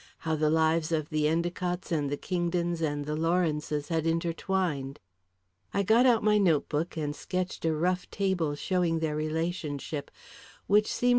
How the lives of the Endicotts and the Kingdons and the Lawrences had intertwined! I got out my notebook and sketched a rough table showing their relationship, which looked somewhat as here shown.